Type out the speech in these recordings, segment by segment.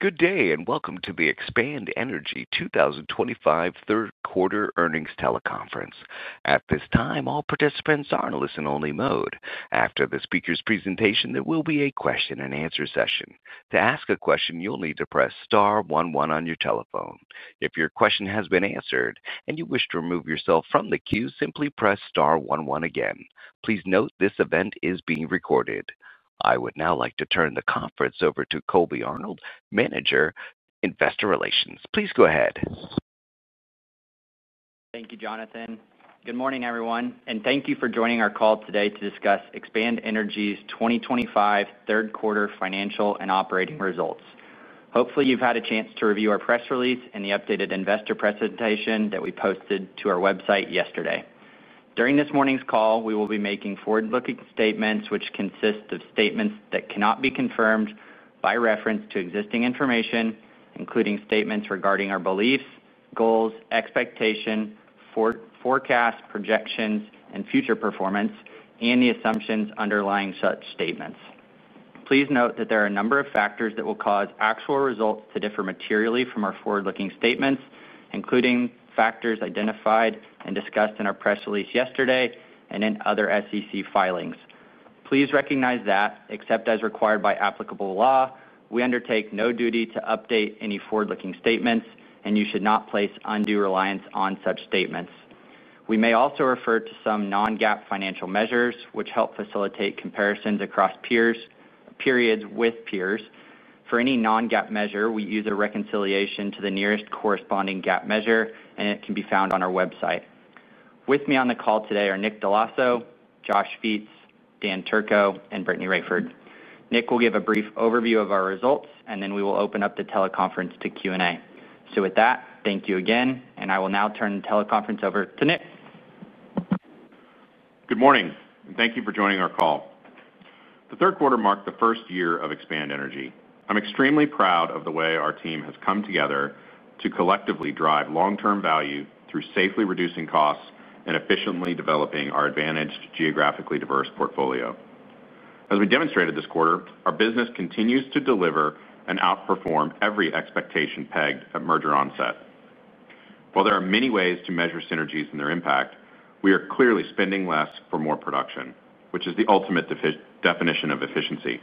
Good day and welcome to the Expand Energy 2025 third quarter earnings teleconference. At this time, all participants are in a listen-only mode. After the speaker's presentation, there will be a question-and-answer session. To ask a question, you'll need to press star one-one on your telephone. If your question has been answered and you wish to remove yourself from the queue, simply press star one-one again. Please note this event is being recorded. I would now like to turn the conference over toColby Arnold, Manager, Investor Relations. Please go ahead. Thank you, Jonathan. Good morning, everyone, and thank you for joining our call today to discuss Expand Energy's 2025 third quarter financial and operating results. Hopefully, you've had a chance to review our press release and the updated investor presentation that we posted to our website yesterday. During this morning's call, we will be making forward-looking statements, which consist of statements that cannot be confirmed by reference to existing information, including statements regarding our beliefs, goals, expectations, forecasts, projections, and future performance, and the assumptions underlying such statements. Please note that there are a number of factors that will cause actual results to differ materially from our forward-looking statements, including factors identified and discussed in our press release yesterday and in other SEC filings. Please recognize that, except as required by applicable law, we undertake no duty to update any forward-looking statements, and you should not place undue reliance on such statements. We may also refer to some non-GAAP financial measures, which help facilitate comparisons across periods with peers. For any non-GAAP measure, we use a reconciliation to the nearest corresponding GAAP measure, and it can be found on our website. With me on the call today are Nick Dell'Osso, Josh Viets, Dan Turco, and Brittany Rayford. Nick will give a brief overview of our results, then we will open up the teleconference to Q&A. Thank you again, and I will now turn the teleconference over to Nick. Good morning, and thank you for joining our call. The third quarter marked the first year of Expand Energy. I'm extremely proud of the way our team has come together to collectively drive long-term value through safely reducing costs and efficiently developing our advantaged, geographically diverse portfolio. As we demonstrated this quarter, our business continues to deliver and outperform every expectation pegged at merger onset. While there are many ways to measure synergies and their impact, we are clearly spending less for more production, which is the ultimate definition of efficiency.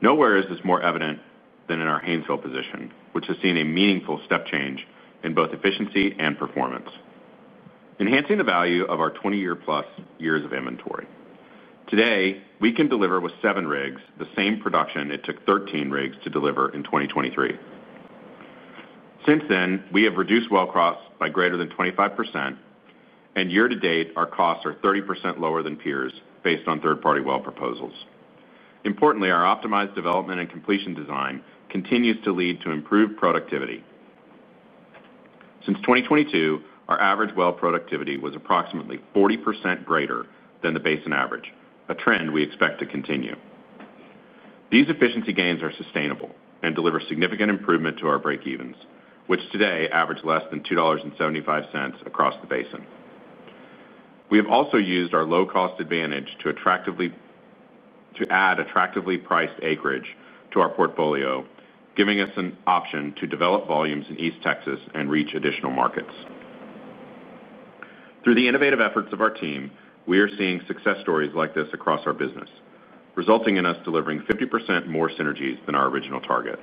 Nowhere is this more evident than in our Hanzo asset position, which has seen a meaningful step change in both efficiency and performance, enhancing the value of our 20+ years of inventory. Today, we can deliver with seven rigs the same production it took 13 rigs to deliver in 2023. Since then, we have reduced well costs by greater than 25%, and year-to-date, our costs are 30% lower than peers based on third-party well proposals. Importantly, our optimized development and completion design continues to lead to improved productivity. Since 2022, our average well productivity was approximately 40% greater than the basin average, a trend we expect to continue. These efficiency gains are sustainable and deliver significant improvement to our breakevens, which today average less than $2.75 across the basin. We have also used our low-cost advantage to add attractively priced acreage to our portfolio, giving us an option to develop volumes in East Texas and reach additional markets. Through the innovative efforts of our team, we are seeing success stories like this across our business, resulting in us delivering 50% more synergies than our original targets.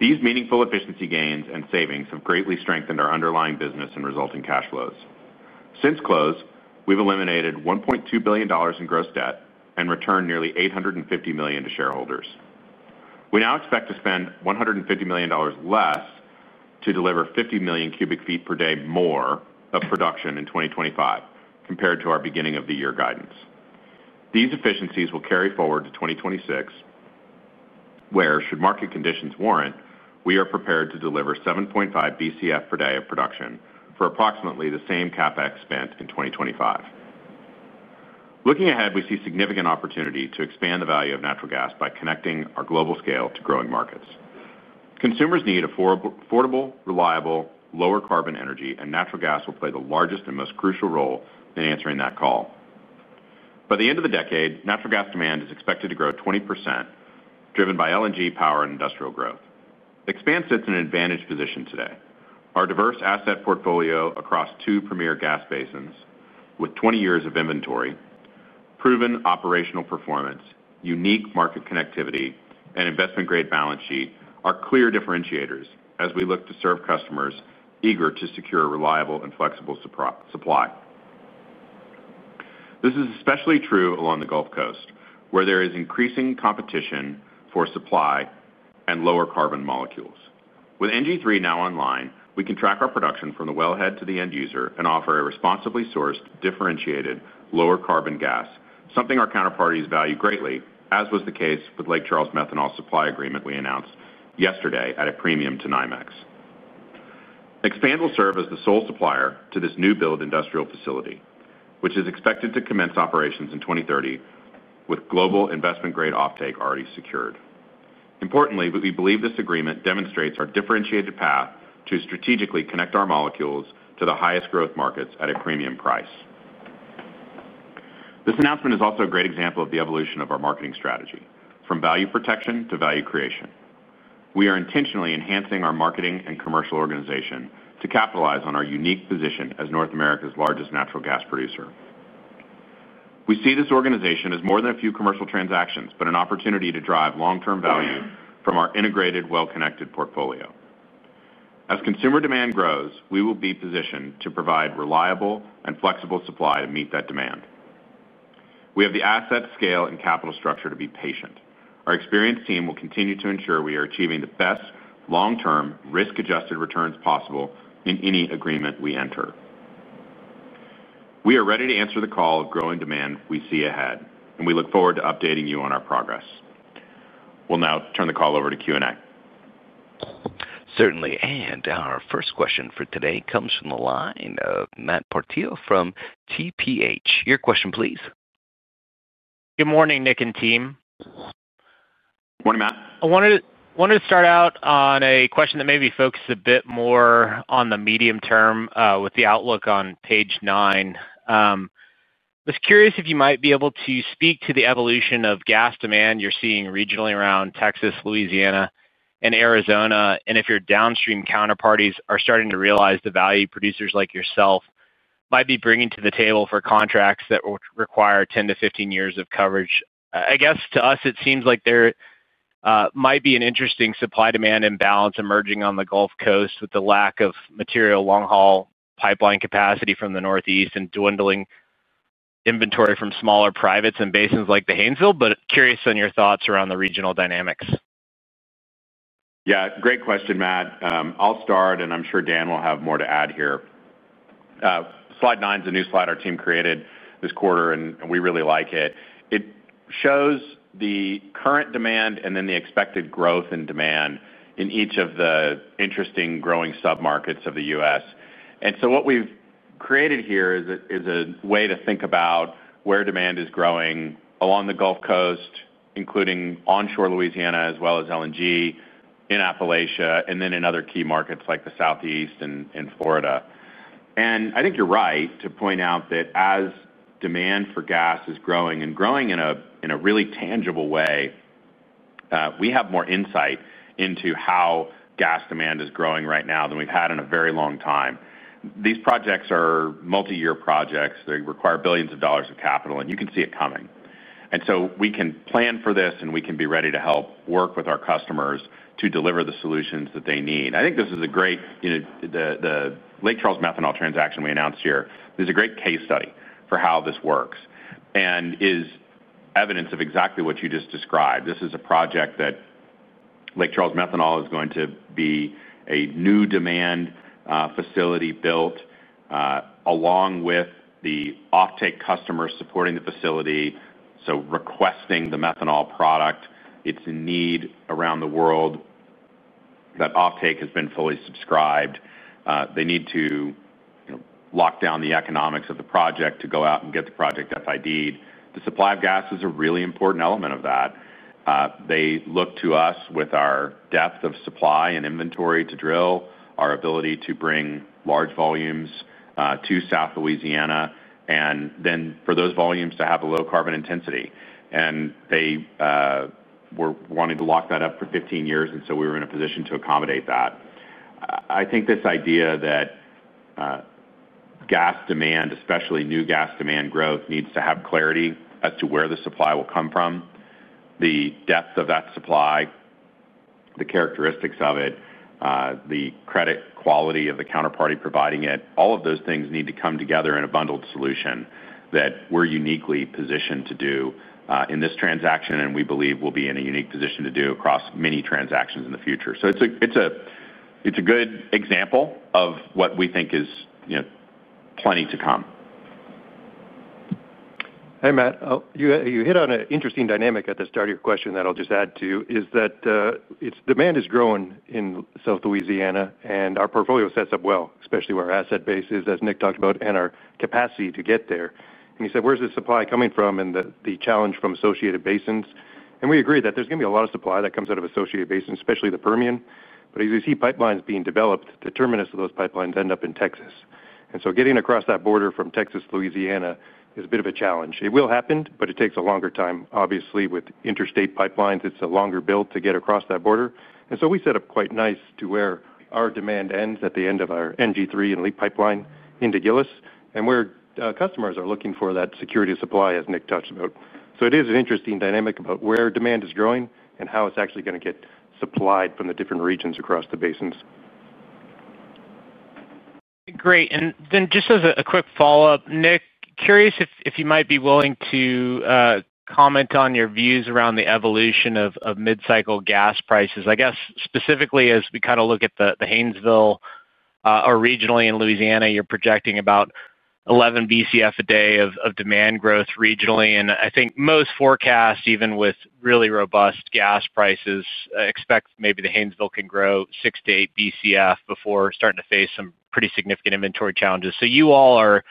These meaningful efficiency gains and savings have greatly strengthened our underlying business and resulting cash flows. Since close, we've eliminated $1.2 billion in gross debt and returned nearly $850 million to shareholders. We now expect to spend $150 million less to deliver 50 million cubic feet per day more of production in 2025 compared to our beginning-of-the-year guidance. These efficiencies will carry forward to 2026, where, should market conditions warrant, we are prepared to deliver 7.5 bcf/d of production for approximately the same CapEx spent in 2025. Looking ahead, we see significant opportunity to expand the value of natural gas by connecting our global scale to growing markets. Consumers need affordable, reliable, lower carbon energy, and natural gas will play the largest and most crucial role in answering that call. By the end of the decade, natural gas demand is expected to grow 20%, driven by LNG power and industrial growth. Expand Energy sits in an advantaged position today. Our diverse asset portfolio across two premier gas basins, with 20 years of inventory, proven operational performance, unique market connectivity, and investment-grade balance sheet are clear differentiators as we look to serve customers eager to secure reliable and flexible supply. This is especially true along the Gulf Coast, where there is increasing competition for supply and lower carbon molecules. With NG3 now online, we can track our production from the wellhead to the end user and offer a responsibly sourced, differentiated, lower carbon gas, something our counterparties value greatly, as was the case with the Lake Charles Methanol Supply Agreement we announced yesterday at a premium to NYMEX. Expand Energy will serve as the sole supplier to this new build industrial facility, which is expected to commence operations in 2030, with global investment-grade offtake already secured. Importantly, we believe this agreement demonstrates our differentiated path to strategically connect our molecules to the highest growth markets at a premium price. This announcement is also a great example of the evolution of our marketing strategy, from value protection to value creation. We are intentionally enhancing our marketing and commercial organization to capitalize on our unique position as North America's largest natural gas producer. We see this organization as more than a few commercial transactions, but an opportunity to drive long-term value from our integrated, well-connected portfolio. As consumer demand grows, we will be positioned to provide reliable and flexible supply to meet that demand. We have the asset scale and capital structure to be patient. Our experienced team will continue to ensure we are achieving the best long-term, risk-adjusted returns possible in any agreement we enter. We are ready to answer the call of growing demand we see ahead, and we look forward to updating you on our progress. We'll now turn the call over to Q&A. Certainly. Our first question for today comes from the line of Matt Portillo from TPH. Your question, please. Good morning, Nick and team. Morning, Matt. I wanted to start out on a question that maybe focuses a bit more on the medium-term with the outlook on page nine. I was curious if you might be able to speak to the evolution of gas demand you're seeing regionally around Texas, Louisiana, and Arizona, and if your downstream counterparties are starting to realize the value producers like yourself might be bringing to the table for contracts that require 10-15 years of coverage. I guess to us, it seems like there might be an interesting supply-demand imbalance emerging on the Gulf Coast with the lack of material long-haul pipeline capacity from the Northeast and dwindling inventory from smaller privates and basins like the Hanzo, but curious on your thoughts around the regional dynamics. Yeah, great question, Matt. I'll start, and I'm sure Dan will have more to add here. Slide nine is a new slide our team created this quarter, and we really like it. It shows the current demand and then the expected growth in demand in each of the interesting growing submarkets of the U.S. What we've created here is a way to think about where demand is growing along the Gulf Coast, including onshore Louisiana, as well as LNG in Appalachia, and then in other key markets like the Southeast and Florida. I think you're right to point out that as demand for gas is growing and growing in a really tangible way, we have more insight into how gas demand is growing right now than we've had in a very long time. These projects are multi-year projects. They require billions of dollars of capital, and you can see it coming. We can plan for this, and we can be ready to help work with our customers to deliver the solutions that they need. I think this is a great example. The Lake Charles Methanol transaction we announced here is a great case study for how this works and is evidence of exactly what you just described. This is a project that Lake Charles Methanol is going to be a new demand facility built, along with the offtake customers supporting the facility, requesting the methanol product. It's a need around the world. That offtake has been fully subscribed. They need to lock down the economics of the project to go out and get the project FID. The supply of gas is a really important element of that. They look to us with our depth of supply and inventory to drill, our ability to bring large volumes to South Louisiana, and for those volumes to have a low carbon intensity. They wanted to lock that up for 15 years, and we were in a position to accommodate that. I think this idea that gas demand, especially new gas demand growth, needs to have clarity as to where the supply will come from, the depth of that supply, the characteristics of it, the credit quality of the counterparty providing it, all of those things need to come together in a bundled solution that we're uniquely positioned to do in this transaction. We believe we'll be in a unique position to do across many transactions in the future. It's a good example of what we think is plenty to come. Hey, Matt. You hit on an interesting dynamic at the start of your question that I'll just add to, is that demand is growing in South Louisiana, and our portfolio sets up well, especially where our asset base is, as Nick talked about, and our capacity to get there. He said, "Where's the supply coming from?" The challenge from associated basins. We agree that there's going to be a lot of supply that comes out of associated basins, especially the Permian. As you see pipelines being developed, the terminus of those pipelines ends up in Texas. Getting across that border from Texas to Louisiana is a bit of a challenge. It will happen, but it takes a longer time, obviously, with interstate pipelines. It's a longer build to get across that border. e set up quite nice to where our demand ends at the end of our NG3 and LEED pipeline into Gillis, and where customers are looking for that security of supply, as Nick talked about. It is an interesting dynamic about where demand is growing and how it's actually going to get supplied from the different regions across the basins. Great. Just as a quick follow-up, Nick, curious if you might be willing to comment on your views around the evolution of mid-cycle gas prices. Specifically, as we kind of look at the Hanzo, or regionally in Louisiana, you're projecting about 11 bcf/d of demand growth regionally. I think most forecasts, even with really robust gas prices, expect maybe the Hanzo can grow 6-8 bcf/d before starting to face some pretty significant inventory challenges. You all are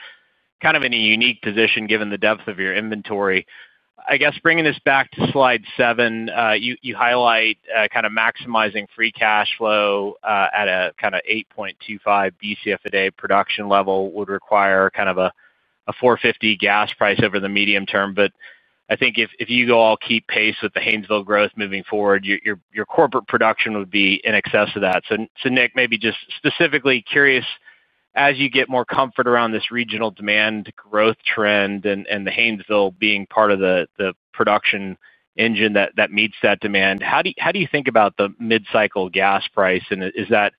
kind of in a unique position given the depth of your inventory. Bringing this back to slide seven, you highlight kind of maximizing free cash flow at a kind of 8.25 bcf/d production level would require a $4.50 gas price over the medium term. I think if you all keep pace with the Hanzo growth moving forward, your corporate production would be in excess of that. Nick, maybe just specifically curious, as you get more comfort around this regional demand growth trend and the Hanzo being part of the production engine that meets that demand, how do you think about the mid-cycle gas price? Is that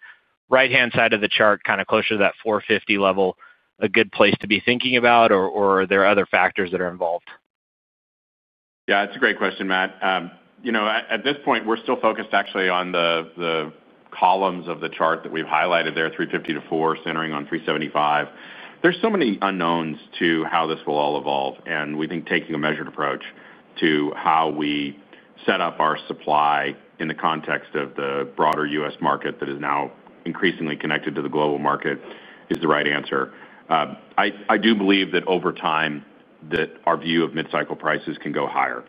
right-hand side of the chart, kind of closer to that $4.50 level, a good place to be thinking about, or are there other factors that are involved? Yeah, it's a great question, Matt. At this point, we're still focused actually on the columns of the chart that we've highlighted there, $3.50-$4.00, centering on $3.75. There are so many unknowns to how this will all evolve. We think taking a measured approach to how we set up our supply in the context of the broader U.S. market that is now increasingly connected to the global market is the right answer. I do believe that over time, our view of mid-cycle prices can go higher.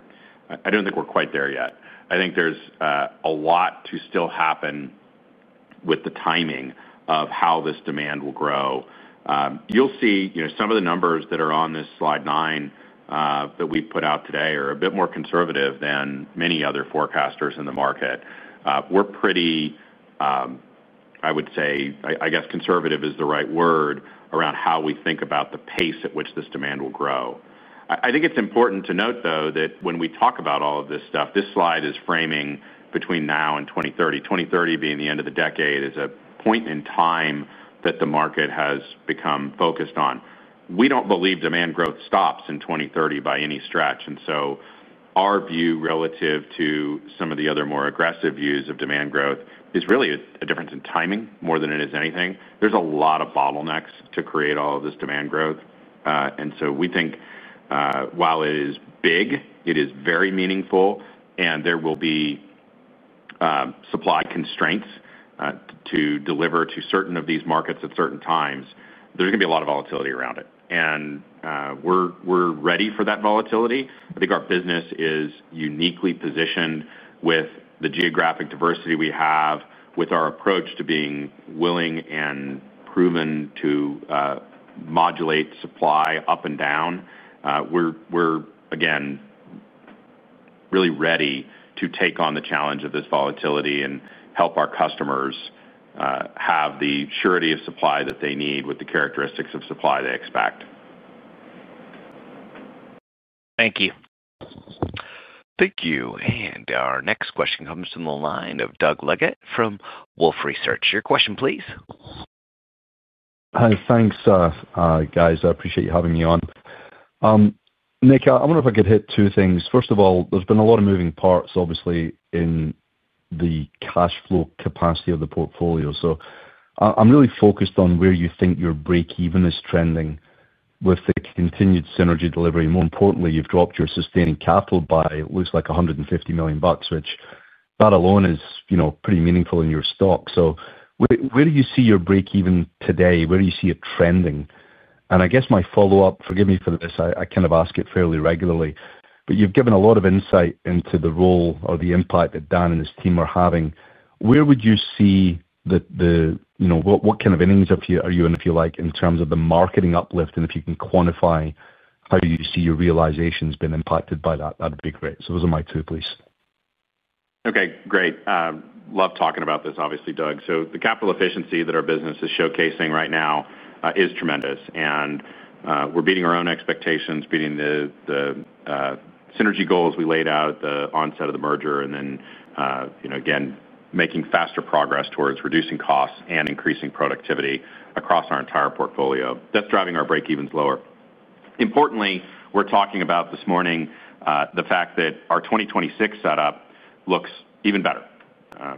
I don't think we're quite there yet. I think there's a lot to still happen with the timing of how this demand will grow. You'll see some of the numbers that are on this slide nine that we put out today are a bit more conservative than many other forecasters in the market. We're pretty, I would say, I guess conservative is the right word around how we think about the pace at which this demand will grow. I think it's important to note, though, that when we talk about all of this stuff, this slide is framing between now and 2030, 2030 being the end of the decade as a point in time that the market has become focused on. We don't believe demand growth stops in 2030 by any stretch. Our view relative to some of the other more aggressive views of demand growth is really a difference in timing more than it is anything. There are a lot of bottlenecks to create all of this demand growth. We think while it is big, it is very meaningful, and there will be supply constraints to deliver to certain of these markets at certain times. There is going to be a lot of volatility around it. We're ready for that volatility. I think our business is uniquely positioned with the geographic diversity we have with our approach to being willing and proven to modulate supply up and down. We're again really ready to take on the challenge of this volatility and help our customers have the surety of supply that they need with the characteristics of supply they expect. Thank you. Thank you. Our next question comes from the line of Douglas Leggate from Wolfe Research. Your question, please. Hi, thanks, guys. I appreciate you having me on. Nick, I wonder if I could hit two things. First of all, there's been a lot of moving parts, obviously, in the cash flow capacity of the portfolio. I'm really focused on where you think your breakeven is trending with the continued synergy delivery. More importantly, you've dropped your sustaining capital by, it looks like, $150 million, which that alone is pretty meaningful in your stock. Where do you see your breakeven today? Where do you see it trending? I guess my follow-up, forgive me for this, I kind of ask it fairly regularly, but you've given a lot of insight into the role or the impact that Dan and his team are having. Where would you see the, you know, what kind of innings are you in, if you like, in terms of the marketing uplift? If you can quantify, how do you see realization has been impacted by that difference? Those are my two pieces. Okay, great. Love talking about this, obviously, Doug. The capital efficiency that our business is showcasing right now is tremendous. We are beating our own expectations, beating the synergy goals we laid out at the onset of the merger, and making faster progress towards reducing costs and increasing productivity across our entire portfolio. That is driving our breakevens lower. Importantly, we are talking about this morning the fact that our 2026 setup looks even better.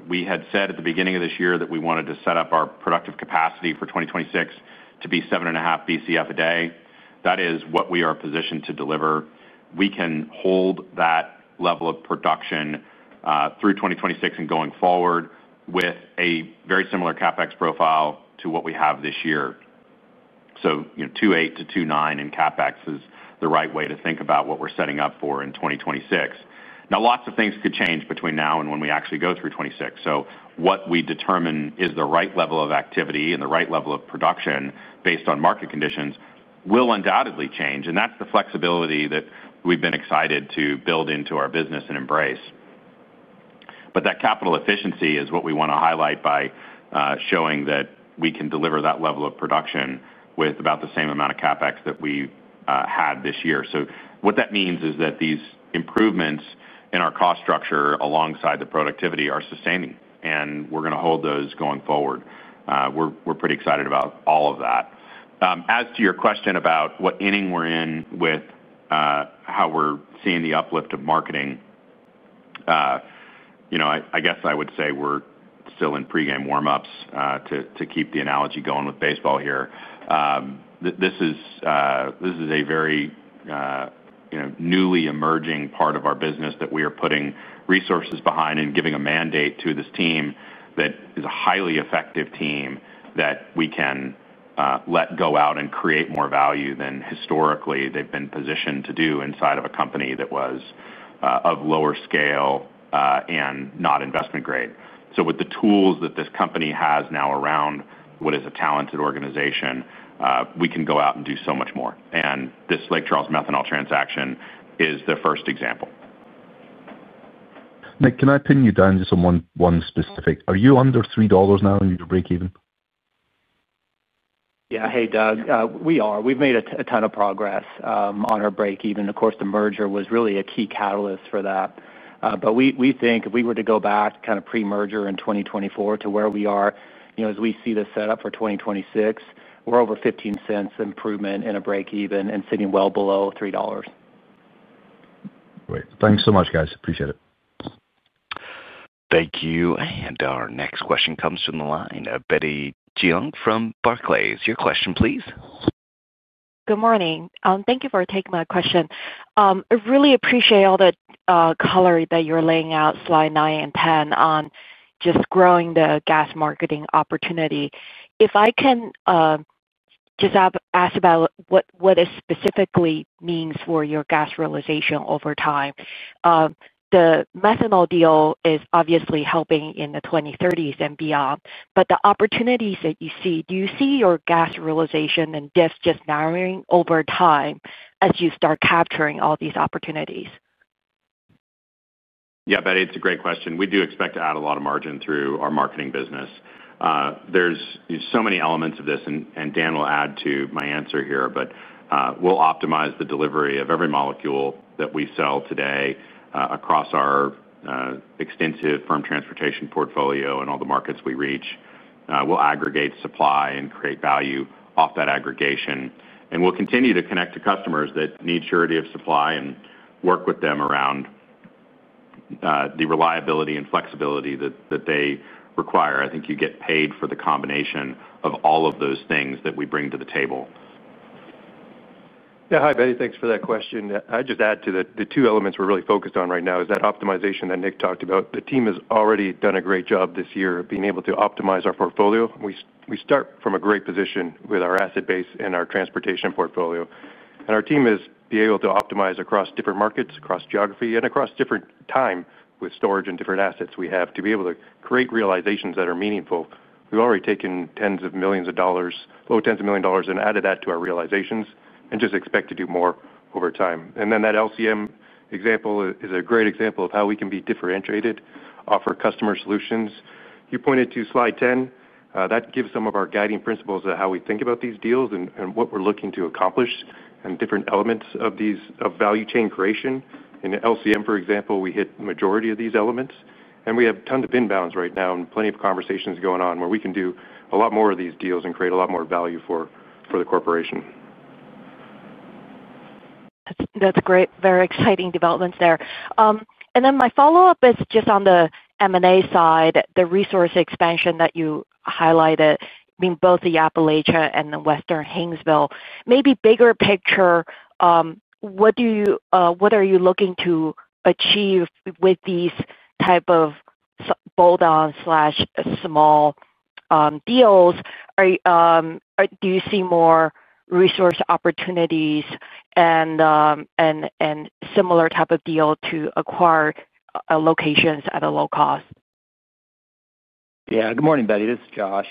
We had said at the beginning of this year that we wanted to set up our productive capacity for 2026 to be 7.5 bcf/d. That is what we are positioned to deliver. We can hold that level of production through 2026 and going forward with a very similar capital expenditure profile to what we have this year. $2.8 billion-$2.9 billion in CapEx is the right way to think about what we are setting up for in 2026. Lots of things could change between now and when we actually go through 2026. What we determine is the right level of activity and the right level of production based on market conditions will undoubtedly change. That is the flexibility that we have been excited to build into our business and embrace. That capital efficiency is what we want to highlight by showing that we can deliver that level of production with about the same amount of CapEx that we had this year. What that means is that these improvements in our cost structure alongside the productivity are sustaining, and we are going to hold those going forward. We are pretty excited about all of that. As to your question about what inning we are in with how we are seeing the uplift of marketing, I would say we are still in pregame warm-ups to keep the analogy going with baseball here. This is a very newly emerging part of our business that we are putting resources behind and giving a mandate to this team that is a highly effective team that we can let go out and create more value than historically they have been positioned to do inside of a company that was of lower scale and not investment grade. With the tools that this company has now around what is a talented organization, we can go out and do so much more. This Lake Charles Methanol transaction is the first example. Nick, can I pin you down just on one specific? Are you under $3 now in your breakeven? Yeah, hey Doug, we are. We've made a ton of progress on our breakeven. Of course, the merger was really a key catalyst for that. We think if we were to go back kind of pre-merger in 2024 to where we are, as we see this set up for 2026, we're over $0.15 improvement in a breakeven and sitting well below $3. Great. Thanks so much, guys. Appreciate it. Thank you. Our next question comes from the line of Betty Jiang from Barclays. Your question, please. Good morning. Thank you for taking my question. I really appreciate all the color that you're laying out, slide nine and ten, on just growing the gas marketing opportunity. If I can just ask about what it specifically means for your gas realization over time. The methanol deal is obviously helping in the 2030s and beyond. The opportunities that you see, do you see your gas realization and diff just narrowing over time as you start capturing all these opportunities? Yeah, Betty, it's a great question. We do expect to add a lot of margin through our marketing business. There are so many elements of this, and Dan will add to my answer here, but we'll optimize the delivery of every molecule that we sell today across our extensive firm transportation portfolio and all the markets we reach. We'll aggregate supply and create value off that aggregation. We'll continue to connect to customers that need surety of supply and work with them around the reliability and flexibility that they require. I think you get paid for the combination of all of those things that we bring to the table. Yeah, hi Betty, thanks for that question. I'd just add the two elements we're really focused on right now are that optimization that Nick talked about. The team has already done a great job this year being able to optimize our portfolio. We start from a great position with our asset base and our transportation portfolio. Our team is able to optimize across different markets, across geography, and across different time with storage and different assets we have to be able to create realizations that are meaningful. We've already taken tens of millions of dollars, low tens of millions of dollars, and added that to our realizations and just expect to do more over time. That Lake Charles Methanol example is a great example of how we can be differentiated, offer customer solutions. You pointed to slide 10. That gives some of our guiding principles of how we think about these deals and what we're looking to accomplish and different elements of value chain creation. In LCM, for example, we hit the majority of these elements. We have tons of inbounds right now and plenty of conversations going on where we can do a lot more of these deals and create a lot more value for the corporation. That's great, very exciting developments there. My follow-up is just on the M&A side, the resource expansion that you highlighted, I mean both the Appalachia and the Western Hanzo. Maybe bigger picture, what are you looking to achieve with these types of bolt-on/small deals? Do you see more resource opportunities and similar types of deals to acquire locations at a low cost? Yeah, good morning, Betty. This is Josh.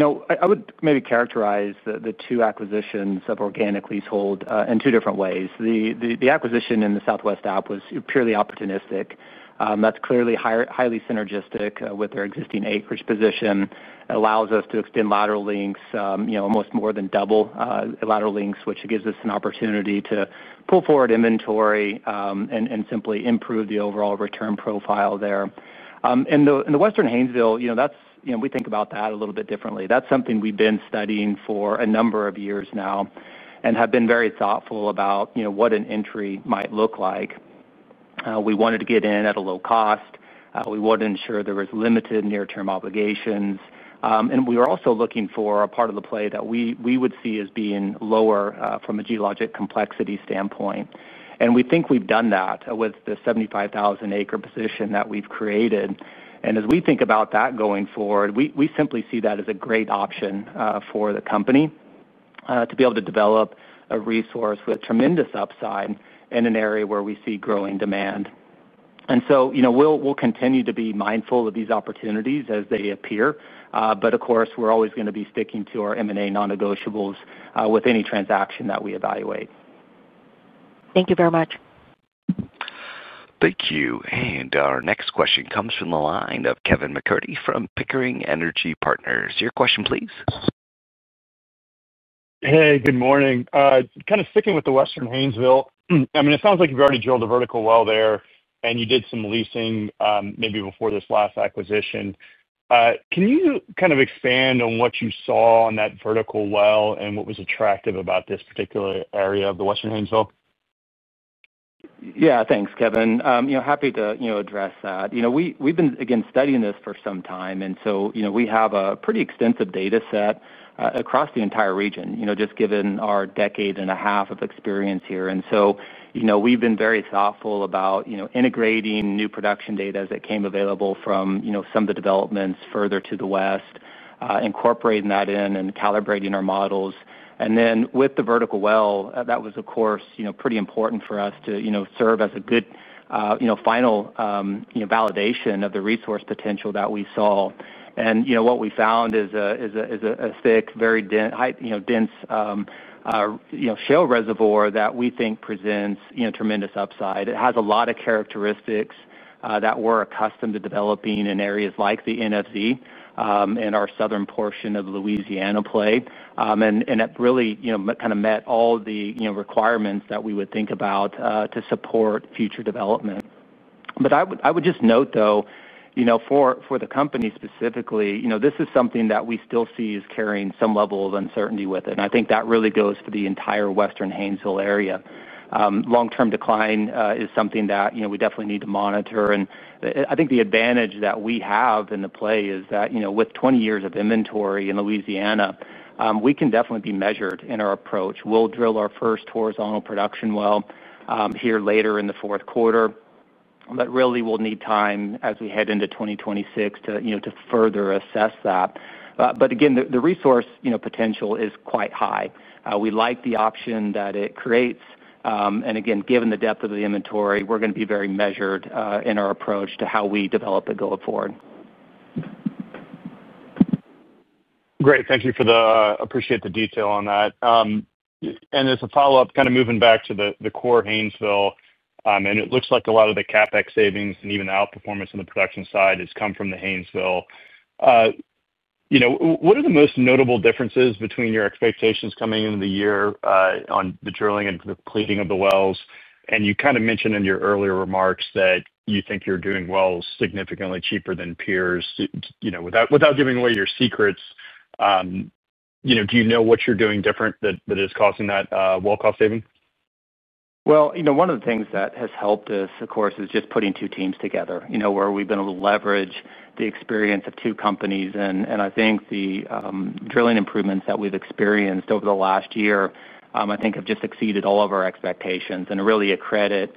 I would maybe characterize the two acquisitions that organically sold in two different ways. The acquisition in the Southwest Appalachia was purely opportunistic. That's clearly highly synergistic with our existing acreage position. It allows us to extend lateral lengths, almost more than double lateral lengths, which gives us an opportunity to pull forward inventory and simply improve the overall return profile there. In the Western Hanzo, we think about that a little bit differently. That's something we've been studying for a number of years now and have been very thoughtful about what an entry might look like. We wanted to get in at a low cost. We wanted to ensure there were limited near-term obligations. We were also looking for a part of the play that we would see as being lower from a geologic complexity standpoint. We think we've done that with the 75,000-acre position that we've created. As we think about that going forward, we simply see that as a great option for the company to be able to develop a resource with a tremendous upside in an area where we see growing demand. We will continue to be mindful of these opportunities as they appear. Of course, we're always going to be sticking to our M&A non-negotiables with any transaction that we evaluate. Thank you very much. Thank you. Our next question comes from the line of Kevin McCurdy from Pickering Energy Partners. Your question, please. Hey, good morning. Kind of sticking with the Western Hanzo, it sounds like you've already drilled a vertical well there, and you did some leasing maybe before this last acquisition. Can you expand on what you saw on that vertical well and what was attractive about this particular area of the Western Hanzo? Yeah, thanks, Kevin. Happy to address that. We've been, again, studying this for some time. We have a pretty extensive data set across the entire region, just given our decade and a half of experience here. We've been very thoughtful about integrating new production data as it came available from some of the developments further to the west, incorporating that in and calibrating our models. With the vertical well, that was, of course, pretty important for us to serve as a good final validation of the resource potential that we saw. What we found is a thick, very dense shale reservoir that we think presents tremendous upside. It has a lot of characteristics that we're accustomed to developing in areas like the NFZ and our southern portion of Louisiana play. It really kind of met all the requirements that we would think about to support future development. I would just note, though, for the company specifically, this is something that we still see as carrying some level of uncertainty with it. I think that really goes for the entire Western Hanzo area. Long-term decline is something that we definitely need to monitor. I think the advantage that we have in the play is that with 20 years of inventory in Louisiana, we can definitely be measured in our approach. We'll drill our first horizontal production well here later in the fourth quarter. We will need time as we head into 2026 to further assess that. Again, the resource potential is quite high. We like the option that it creates. Given the depth of the inventory, we're going to be very measured in our approach to how we develop it going forward. Great. Thank you, appreciate the detail on that. As a follow-up, moving back to the core Hanzo, it looks like a lot of the CapEx savings and even the outperformance on the production side has come from the Hanzo. What are the most notable differences between your expectations coming into the year on the drilling and the cleaning of the wells? You mentioned in your earlier remarks that you think you're doing wells significantly cheaper than peers. Without giving away your secrets, do you know what you're doing different that is causing that well cost saving? One of the things that has helped us, of course, is just putting two teams together, where we've been able to leverage the experience of two companies. I think the drilling improvements that we've experienced over the last year have just exceeded all of our expectations. It's really a credit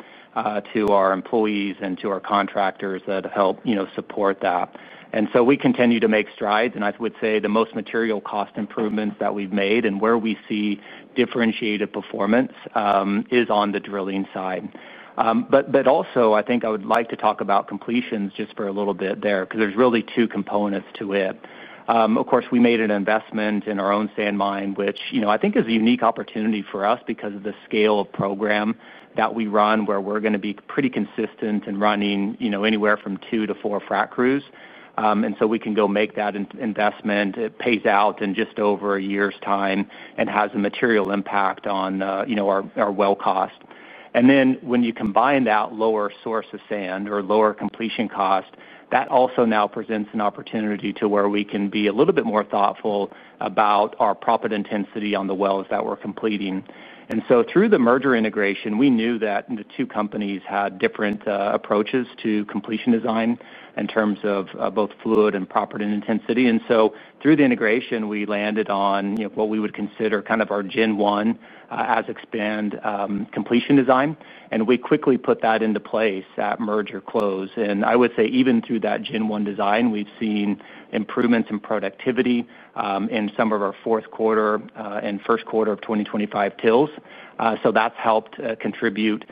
to our employees and to our contractors that help support that. We continue to make strides. I would say the most material cost improvements that we've made and where we see differentiated performance is on the drilling side. I would like to talk about completions just for a little bit there, because there's really two components to it. Of course, we made an investment in our own sand mine, which I think is a unique opportunity for us because of the scale of program that we run, where we're going to be pretty consistent and running anywhere from two to four frac crews. We can go make that investment. It pays out in just over a year's time and has a material impact on our well cost. When you combine that lower source of sand or lower completion cost, that also now presents an opportunity to where we can be a little bit more thoughtful about our proppant intensity on the wells that we're completing. Through the merger integration, we knew that the two companies had different approaches to completion design in terms of both fluid and proppant intensity. Through the integration, we landed on what we would consider kind of our Gen 1 as Expand Energy completion design. We quickly put that into place at merger close. Even through that Gen 1 design, we've seen improvements in productivity in some of our fourth quarter and first quarter of 2025 tills. That's helped contribute.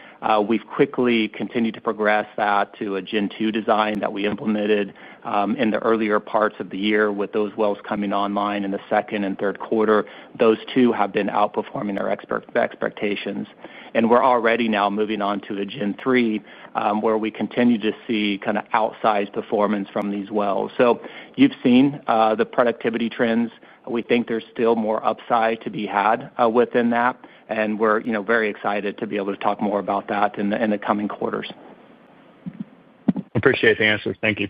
We've quickly continued to progress that to a Gen 2 design that we implemented in the earlier parts of the year with those wells coming online in the second and third quarter. Those two have been outperforming our expectations. We're already now moving on to a Gen 3 where we continue to see kind of outsized performance from these wells. You've seen the productivity trends. We think there's still more upside to be had within that. We're very excited to be able to talk more about that in the coming quarters. Appreciate the answers. Thank you.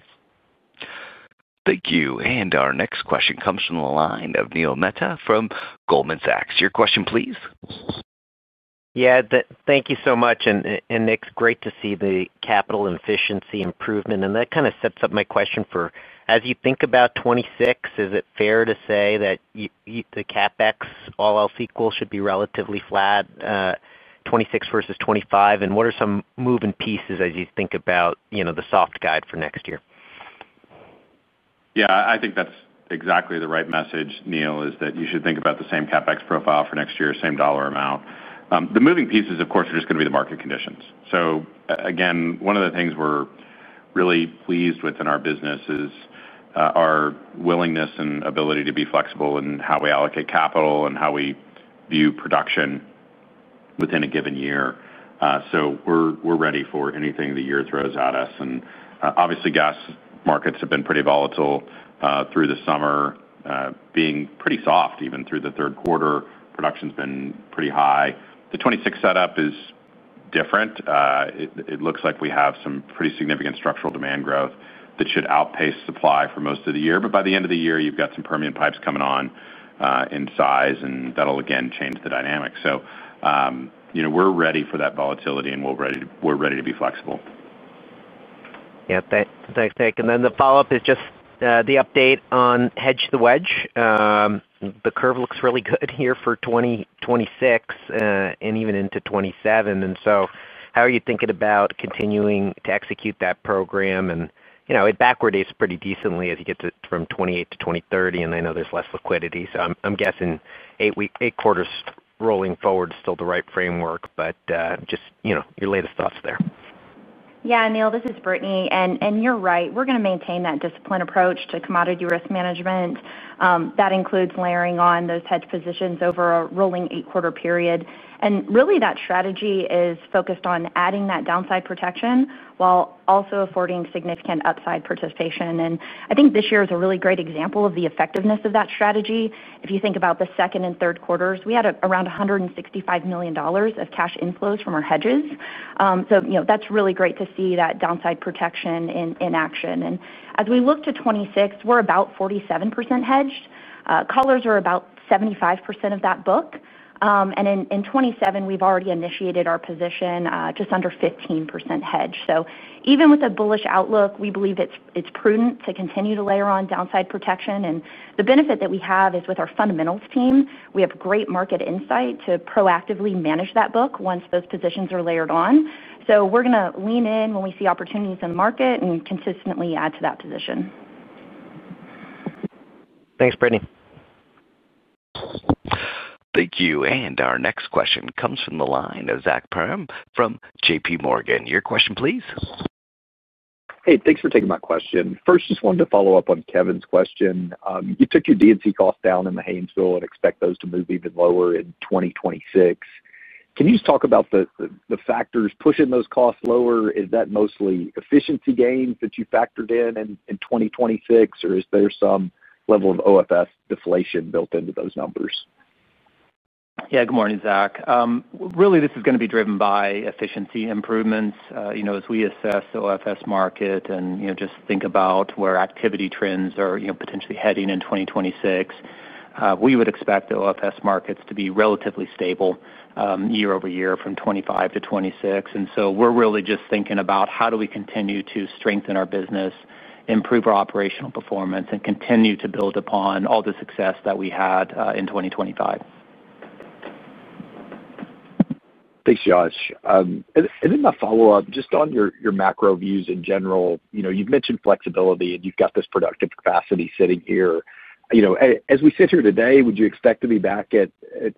Thank you. Our next question comes from the line of Neil Mehta from Goldman Sachs. Your question, please. Thank you so much. Nick, it's great to see the capital efficiency improvement. That kind of sets up my question for, as you think about 2026, is it fair to say that the CapEx, all else equal, should be relatively flat, 2026 versus 2025? What are some moving pieces as you think about the soft guide for next year? Yeah, I think that's exactly the right message, Neil, is that you should think about the same CapEx profile for next year, same dollar amount. The moving pieces, of course, are just going to be the market conditions. One of the things we're really pleased with in our business is our willingness and ability to be flexible in how we allocate capital and how we view production within a given year. We're ready for anything the year throws at us. Obviously, gas markets have been pretty volatile through the summer, being pretty soft even through the third quarter. Production's been pretty high. The 2026 setup is different. It looks like we have some pretty significant structural demand growth that should outpace supply for most of the year. By the end of the year, you've got some permanent pipes coming on in size, and that'll again change the dynamics. We're ready for that volatility, and we're ready to be flexible. Yeah, thanks, Nick. The follow-up is just the update on Hedge the Wedge. The curve looks really good here for 2026 and even into 2027. How are you thinking about continuing to execute that program? It backward-dates pretty decently as you get from 2028 to 2030, and I know there's less liquidity. I'm guessing eight quarters rolling forward is still the right framework. Just your latest thoughts there. Yeah, Neil, this is Brittany. You're right. We're going to maintain that disciplined approach to commodity risk management. That includes layering on those hedge positions over a rolling eight-quarter period. That strategy is focused on adding that downside protection while also affording significant upside participation. I think this year is a really great example of the effectiveness of that strategy. If you think about the second and third quarters, we had around $165 million of cash inflows from our hedges. That's really great to see that downside protection in action. As we look to 2026, we're about 47% hedged. Callers are about 75% of that book. In 2027, we've already initiated our position just under 15% hedged. Even with a bullish outlook, we believe it's prudent to continue to layer on downside protection. The benefit that we have is with our fundamentals team, we have great market insight to proactively manage that book once those positions are layered on. We're going to lean in when we see opportunities in the market and consistently add to that position. Thanks, Brittany. Thank you. Our next question comes from the line of Zach Parham from JPMorgan. Your question, please. Hey, thanks for taking my question. First, I just wanted to follow up on Kevin's question. You took your D&T costs down in the Hanzo and expect those to move even lower in 2026. Can you just talk about the factors pushing those costs lower? Is that mostly efficiency gains that you factored in in 2026, or is there some level of OFS deflation built into those numbers? Yeah, good morning, Zach. Really, this is going to be driven by efficiency improvements. As we assess the OFS market and just think about where activity trends are potentially heading in 2026, we would expect the OFS markets to be relatively stable year-over-year from 2025 to 2026. We are really just thinking about how do we continue to strengthen our business, improve our operational performance, and continue to build upon all the success that we had in 2025. Thanks, Josh. In my follow-up, just on your macro views in general, you've mentioned flexibility and you've got this productive capacity sitting here. As we sit here today, would you expect to be back at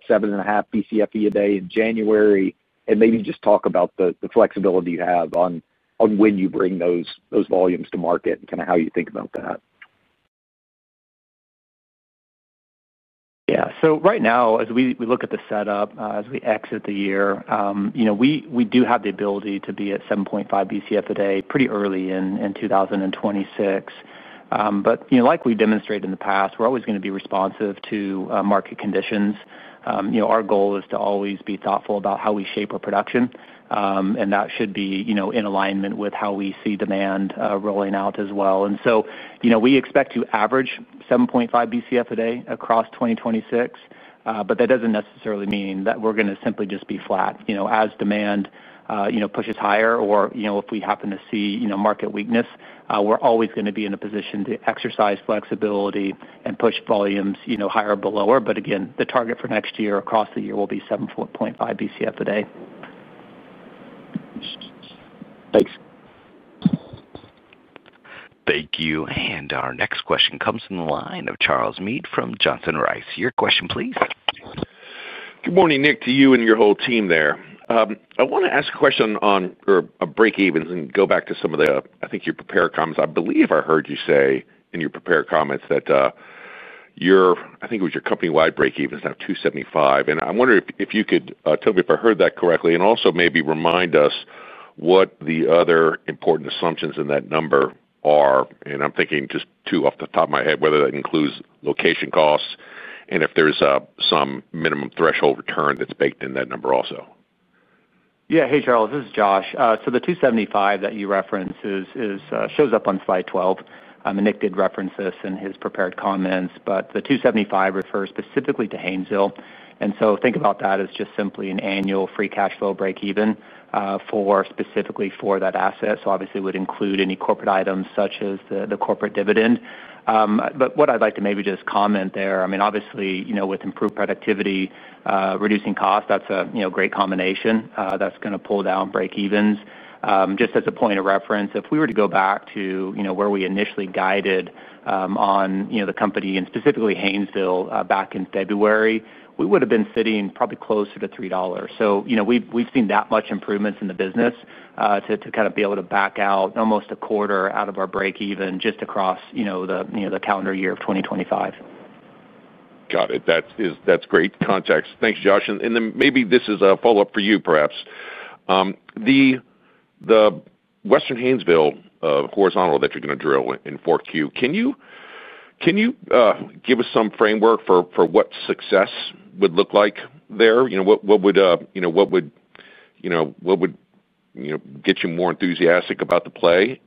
7.5 bcf/d in January? Maybe just talk about the flexibility you have on when you bring those volumes to market and kind of how you think about that. Right now, as we look at the setup as we exit the year, we do have the ability to be at 7.5 bcf/d pretty early in 2026. Like we demonstrated in the past, we're always going to be responsive to market conditions. Our goal is to always be thoughtful about how we shape our production. That should be in alignment with how we see demand rolling out as well. We expect to average 7.5 bcf/d across 2026. That doesn't necessarily mean that we're going to simply just be flat. As demand pushes higher or if we happen to see market weakness, we're always going to be in a position to exercise flexibility and push volumes higher or lower. Again, the target for next year across the year will be 7.5 bcf/d. Thanks. Thank you. Our next question comes from the line of Charles Meade from Johnson Rice. Your question, please. Good morning, Nick, to you and your whole team there. I want to ask a question on breakevens and go back to some of your prepared comments. I believe I heard you say in your prepared comments that your company-wide breakeven is now $2.75. I wonder if you could tell me if I heard that correctly and also maybe remind us what the other important assumptions in that number are. I'm thinking just two off the top of my head, whether that includes location costs and if there's some minimum threshold return that's baked in that number also. Yeah, hey Charles, this is Josh. The $2.75 that you referenced shows up on slide 12. Nick did reference this in his prepared comments, but the $2.75 refers specifically to Hanzo. Think about that as just simply an annual free cash flow breakeven specifically for that asset. It would include any corporate items such as the corporate dividend. What I'd like to maybe just comment there, obviously, with improved productivity, reducing costs, that's a great combination that's going to pull down breakevens. Just as a point of reference, if we were to go back to where we initially guided on the company and specifically Hanzo back in February, we would have been sitting probably closer to $3. We've seen that much improvements in the business to kind of be able to back out almost a quarter out of our breakeven just across the calendar year of 2025. Got it. That's great context. Thanks, Josh. Maybe this is a follow-up for you, perhaps. The Western Hanzo horizontal that you're going to drill in 4Q, can you give us some framework for what success would look like there? You know, what would get you more enthusiastic about the play?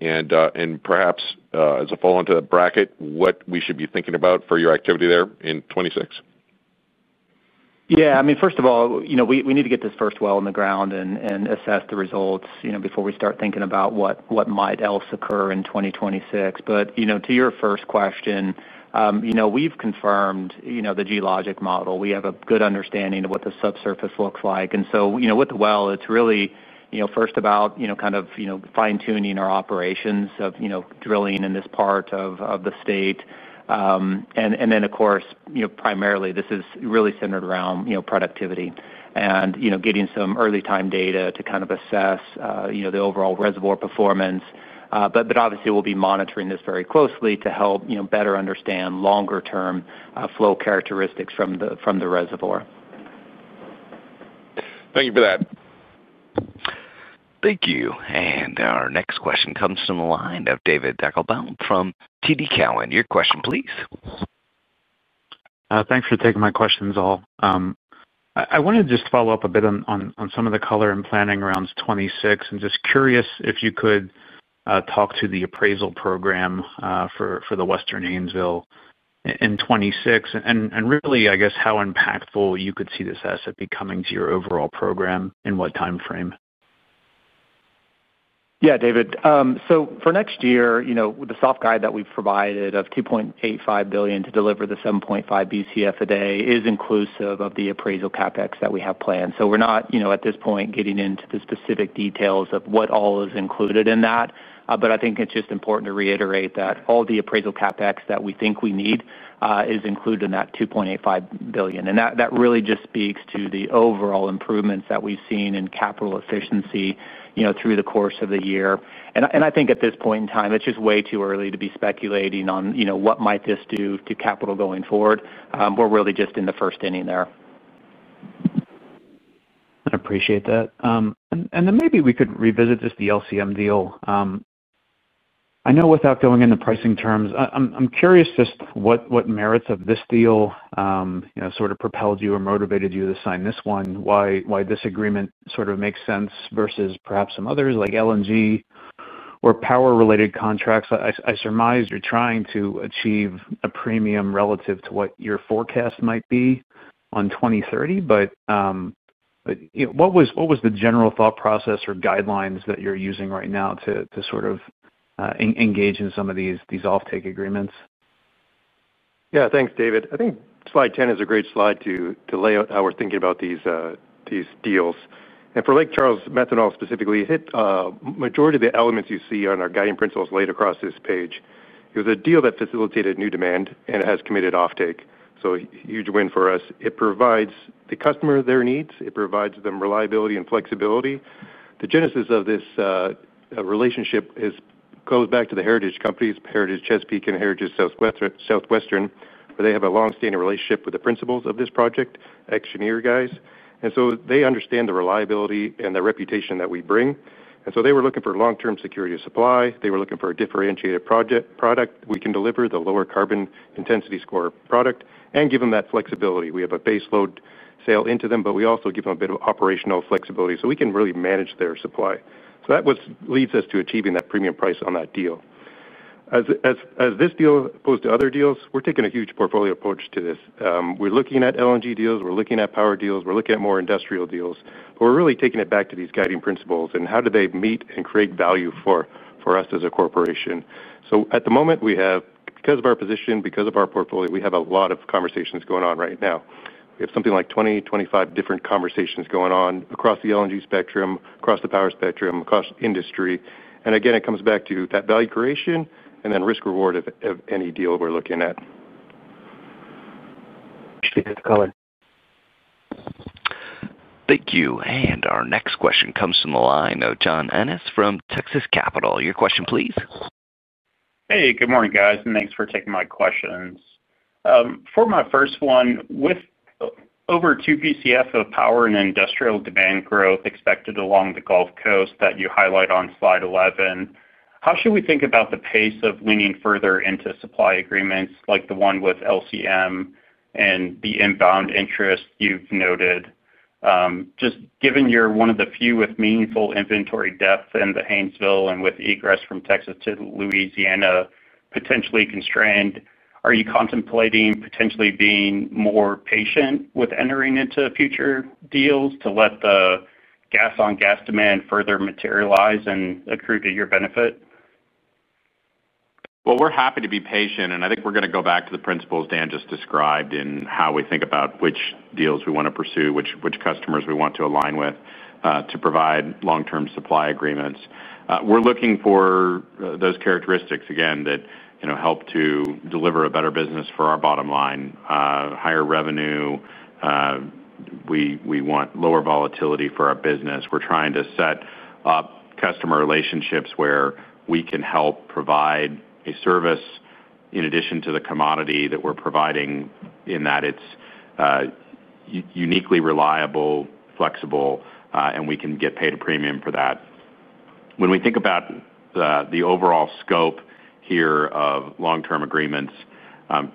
Perhaps, as a follow-on to that bracket, what we should be thinking about for your activity there in 2026? Yeah, first of all, we need to get this first well in the ground and assess the results before we start thinking about what might else occur in 2026. To your first question, we've confirmed the geologic model. We have a good understanding of what the subsurface looks like. With the well, it's really first about fine-tuning our operations of drilling in this part of the state. Of course, primarily, this is really centered around productivity and getting some early-time data to kind of assess the overall reservoir performance. Obviously, we'll be monitoring this very closely to help better understand longer-term flow characteristics from the reservoir. Thank you for that. Thank you. Our next question comes from the line of David Deckelbaum from TD Cowen. Your question, please. Thanks for taking my questions, all. I wanted to just follow up a bit on some of the color and planning around 2026. I'm just curious if you could talk to the appraisal program for the Western Hanzo in 2026 and really, I guess, how impactful you could see this asset becoming to your overall program in what timeframe. Yeah, David. For next year, the soft guide that we've provided of $2.85 billion to deliver the 7.5 bcf/d is inclusive of the appraisal CapEx that we have planned. We're not at this point getting into the specific details of what all is included in that. I think it's just important to reiterate that all the appraisal CapEx that we think we need is included in that $2.85 billion. That really just speaks to the overall improvements that we've seen in capital efficiency through the course of the year. I think at this point in time, it's just way too early to be speculating on what this might do to capital going forward. We're really just in the first inning there. I appreciate that. Maybe we could revisit just the LCM deal. I know without going into pricing terms, I'm curious just what merits of this deal sort of propelled you or motivated you to sign this one, why this agreement makes sense versus perhaps some others like LNG or power-related contracts. I surmise you're trying to achieve a premium relative to what your forecast might be on 2030. What was the general thought process or guidelines that you're using right now to engage in some of these offtake agreements? Yeah, thanks, David. I think slide 10 is a great slide to lay out how we're thinking about these deals. For Lake Charles Methanol specifically, it hit a majority of the elements you see on our guiding principles laid across this page. It was a deal that facilitated new demand and has committed offtake, so a huge win for us. It provides the customer their needs. It provides them reliability and flexibility. The genesis of this relationship goes back to the heritage companies, Heritage Chesapeake and Heritage Southwestern, where they have a long-standing relationship with the principals of this project, ex-engineer guys. They understand the reliability and the reputation that we bring. They were looking for long-term security of supply. They were looking for a differentiated product that we can deliver, the lower carbon intensity score product, and give them that flexibility. We have a base load sale into them, but we also give them a bit of operational flexibility so we can really manage their supply. That leads us to achieving that premium price on that deal. As this deal opposed to other deals, we're taking a huge portfolio approach to this. We're looking at LNG deals. We're looking at power deals. We're looking at more industrial deals. We're really taking it back to these guiding principles and how do they meet and create value for us as a corporation. At the moment, we have, because of our position, because of our portfolio, we have a lot of conversations going on right now. We have something like 20, 25 different conversations going on across the LNG spectrum, across the power spectrum, across industry. It comes back to that value creation and then risk-reward of any deal we're looking at. Thank you. Our next question comes from the line of John Ennis from Texas Capital. Your question, please. Hey, good morning, guys, and thanks for taking my questions. For my first one, with over 2 bcf/d of power and industrial demand growth expected along the Gulf Coast that you highlight on slide 11, how should we think about the pace of leaning further into supply agreements like the one with Lake Charles Methanol and the inbound interest you've noted? Just given you're one of the few with meaningful inventory depth in the Hanzo asset and with egress from Texas to Louisiana potentially constrained, are you contemplating potentially being more patient with entering into future deals to let the gas-on-gas demand further materialize and accrue to your benefit? We are happy to be patient, and I think we are going to go back to the principles Dan just described in how we think about which deals we want to pursue, which customers we want to align with to provide long-term supply agreements. We are looking for those characteristics, again, that help to deliver a better business for our bottom line, higher revenue. We want lower volatility for our business. We are trying to set up customer relationships where we can help provide a service in addition to the commodity that we are providing in that it is uniquely reliable, flexible, and we can get paid a premium for that. When we think about the overall scope here of long-term agreements,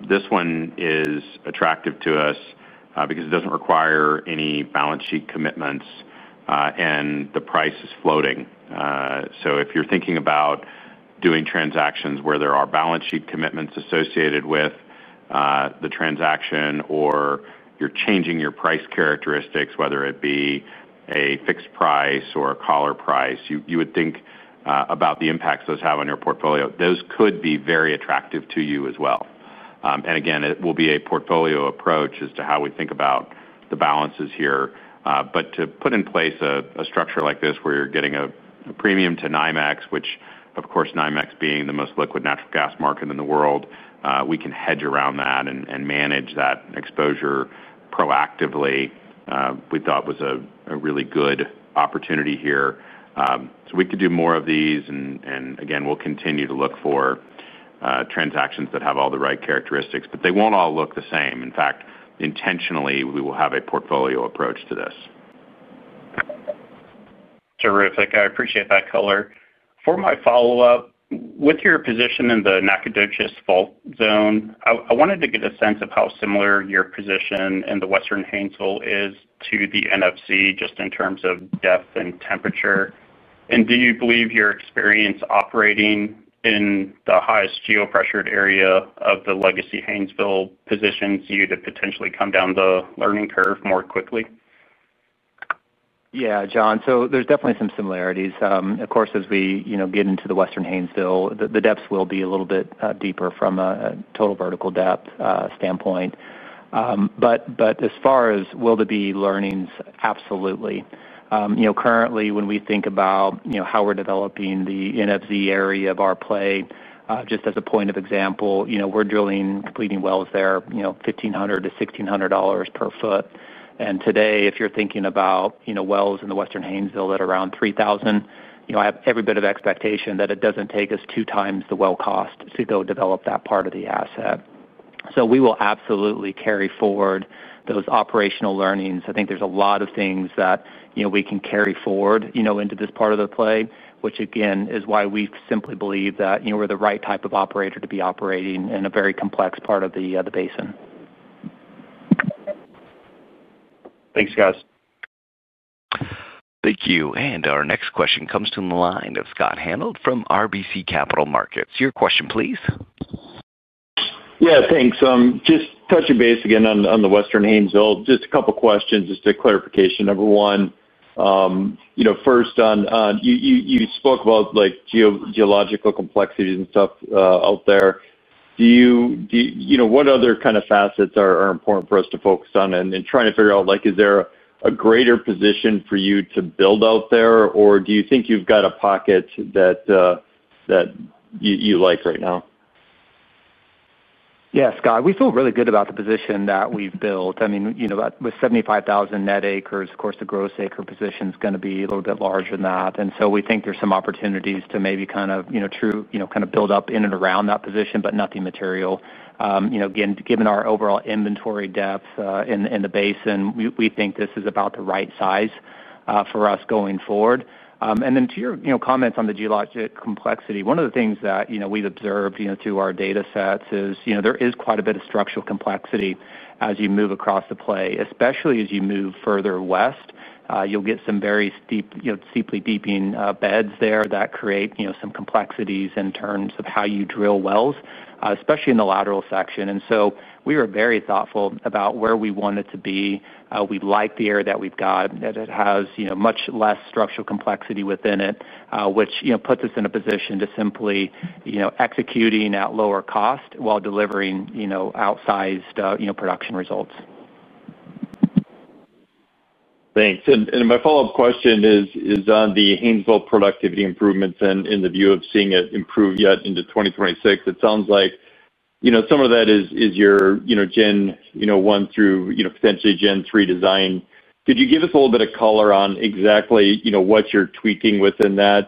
this one is attractive to us because it does not require any balance sheet commitments and the price is floating. If you are thinking about doing transactions where there are balance sheet commitments associated with the transaction or you are changing your price characteristics, whether it be a fixed price or a collar price, you would think about the impacts those have on your portfolio. Those could be very attractive to you as well. It will be a portfolio approach as to how we think about the balances here. To put in place a structure like this where you are getting a premium to NYMEX, which, of course, NYMEX being the most liquid natural gas market in the world, we can hedge around that and manage that exposure proactively. We thought it was a really good opportunity here. We could do more of these. We will continue to look for transactions that have all the right characteristics, but they will not all look the same. In fact, intentionally, we will have a portfolio approach to this. Terrific. I appreciate that color. For my follow-up, with your position in the Nacogdoches fault zone, I wanted to get a sense of how similar your position in the Western Hanzo is to the NFC just in terms of depth and temperature. Do you believe your experience operating in the highest geopressured area of the legacy Hanzo positions you to potentially come down the learning curve more quickly? Yeah, John. There's definitely some similarities. Of course, as we get into the Western Hanzo, the depths will be a little bit deeper from a total vertical depth standpoint. As far as will there be learnings, absolutely. Currently, when we think about how we're developing the NFZ area of our play, just as a point of example, we're drilling and completing wells there, $1,500-$1,600 per foot. Today, if you're thinking about wells in the Western Hanzo at around $3,000, I have every bit of expectation that it doesn't take us 2x the well cost to go develop that part of the asset. We will absolutely carry forward those operational learnings.I think there's a lot of things that we can carry forward into this part of the play, which again is why we simply believe that we're the right type of operator to be operating in a very complex part of the basin. Thanks, guys. Thank you. Our next question comes from the line of Scott Hanold from RBC Capital Markets. Your question, please. Yeah, thanks. Just touching base again on the Western Hanzo, just a couple of questions, just a clarification. Number one, first on you spoke about geological complexities and stuff out there. Do you know what other kind of facets are important for us to focus on in trying to figure out, like, is there a greater position for you to build out there, or do you think you've got a pocket that you like right now? Yeah, Scott, we feel really good about the position that we've built. With 75,000 net acres, of course, the gross acre position is going to be a little bit larger than that. We think there's some opportunities to maybe build up in and around that position, but nothing material. Given our overall inventory depth in the basin, we think this is about the right size for us going forward. To your comments on the geologic complexity, one of the things that we've observed through our data sets is there is quite a bit of structural complexity as you move across the play, especially as you move further west. You'll get some very steeply deepening beds there that create some complexities in terms of how you drill wells, especially in the lateral section. We were very thoughtful about where we wanted to be. We like the area that we've got, that it has much less structural complexity within it, which puts us in a position to simply execute at lower cost while delivering outsized production results. Thanks. My follow-up question is on the Hanzo productivity improvements and in the view of seeing it improve yet into 2026. It sounds like some of that is your Gen 1 through potentially Gen 3 design. Could you give us a little bit of color on exactly what you're tweaking within that?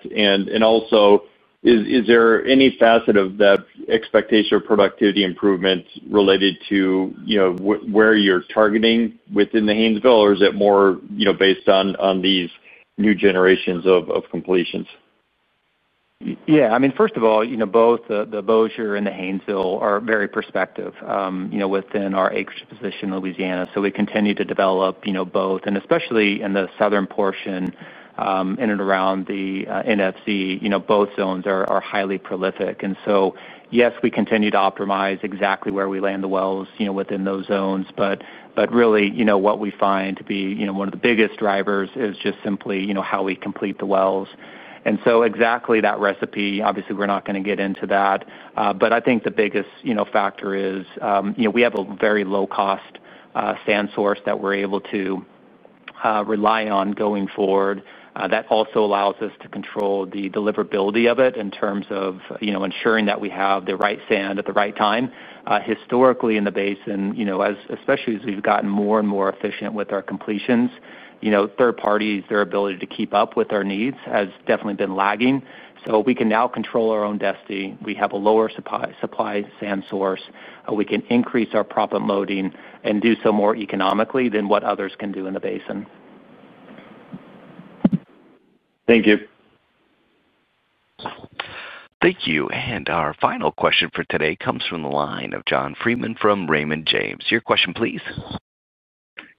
Also, is there any facet of that expectation of productivity improvement related to where you're targeting within the Hanzo, or is it more based on these new generations of completions? Yeah, I mean, first of all, both the Bozier and the Hanzo are very prospective within our acreage position in Louisiana. We continue to develop both, especially in the southern portion in and around the NFC. Both zones are highly prolific. Yes, we continue to optimize exactly where we land the wells within those zones. What we find to be one of the biggest drivers is just simply how we complete the wells. Exactly that recipe, obviously, we're not going to get into that. I think the biggest factor is we have a very low-cost sand source that we're able to rely on going forward. That also allows us to control the deliverability of it in terms of ensuring that we have the right sand at the right time. Historically, in the basin, especially as we've gotten more and more efficient with our completions, third-parties, their ability to keep up with our needs has definitely been lagging. We can now control our own destiny. We have a lower supply sand source. We can increase our profit loading and do so more economically than what others can do in the basin. Thank you. Thank you. Our final question for today comes from the line of John Freeman from Raymond James. Your question, please.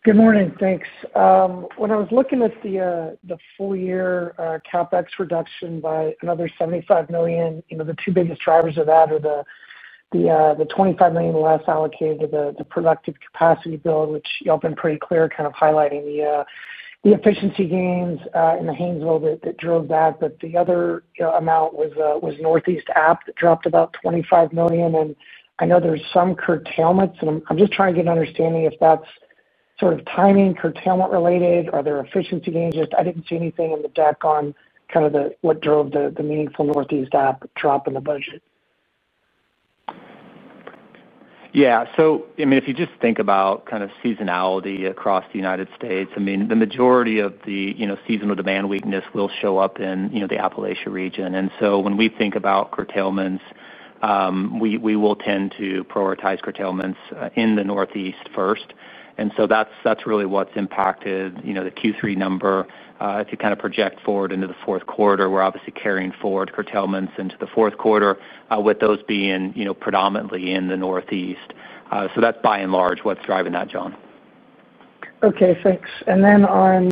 Good morning, thanks. When I was looking at the full-year CapEx reduction by another $75 million, the two biggest drivers of that are the $25 million less allocated to the productive capacity build, which y'all have been pretty clear highlighting the efficiency gains in the Hanzo asset that drove that. The other amount was Northeast App that dropped about $25 million. I know there's some curtailments, and I'm just trying to get an understanding if that's sort of timing, curtailment related, or are there efficiency gains? I didn't see anything in the deck on what drove the meaningful Northeast App drop in the budget. Yeah, if you just think about kind of seasonality across the United States, the majority of the seasonal demand weakness will show up in the Appalachia region. When we think about curtailments, we will tend to prioritize curtailments in the Northeast first. That's really what's impacted the Q3 number. If you project forward into the fourth quarter, we're obviously carrying forward curtailments into the fourth quarter, with those being predominantly in the Northeast. That's by and large what's driving that, John. Okay, thanks. On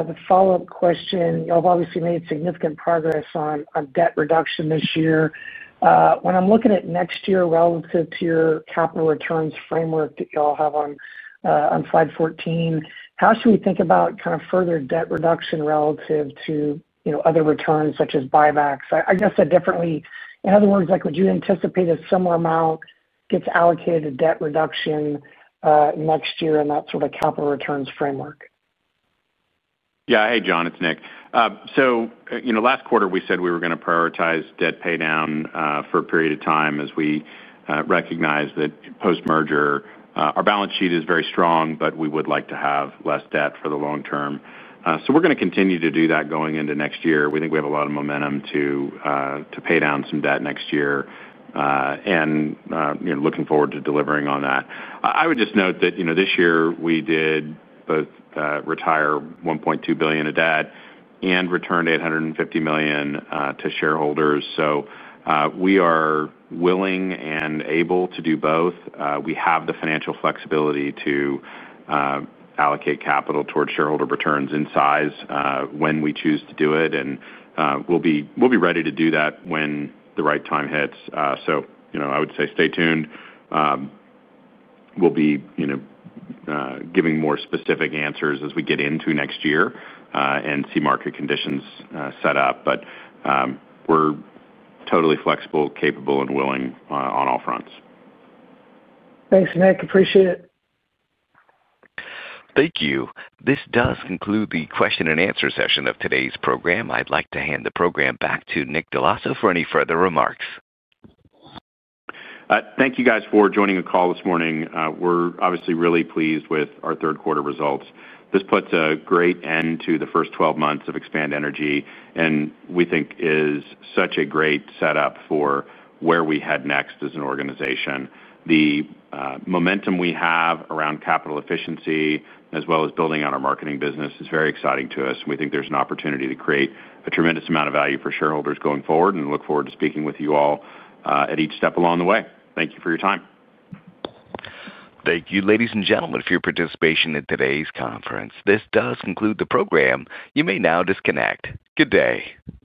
the follow-up question, y'all have obviously made significant progress on debt reduction this year. When I'm looking at next year relative to your capital returns framework that y'all have on slide 14, how should we think about kind of further debt reduction relative to other returns such as buybacks? I guess that definitely, in other words, would you anticipate a similar amount gets allocated to debt reduction next year in that sort of capital returns framework? Yeah, hey John, it's Nick. Last quarter we said we were going to prioritize debt paydown for a period of time as we recognize that post-merger, our balance sheet is very strong, but we would like to have less debt for the long-term. We're going to continue to do that going into next year. We think we have a lot of momentum to pay down some debt next year, and looking forward to delivering on that. I would just note that this year we did both retire $1.2 billion of debt and returned $850 million to shareholders. We are willing and able to do both. We have the financial flexibility to allocate capital towards shareholder returns in size when we choose to do it. We'll be ready to do that when the right time hits. I would say stay tuned. We'll be giving more specific answers as we get into next year and see market conditions set up. We're totally flexible, capable, and willing on all fronts. Thanks, Nick. Appreciate it. Thank you. This does conclude the question-and-answer session of today's program. I'd like to hand the program back to Nick Dell'Osso for any further remarks. Thank you guys for joining the call this morning. We're obviously really pleased with our third quarter results. This puts a great end to the first 12 months of Expand Energy, and we think is such a great setup for where we head next as an organization. The momentum we have around capital efficiency, as well as building out our marketing business, is very exciting to us. We think there's an opportunity to create a tremendous amount of value for shareholders going forward and look forward to speaking with you all at each step along the way. Thank you for your time. Thank you, ladies and gentlemen, for your participation in today's conference. This does conclude the program. You may now disconnect. Good day.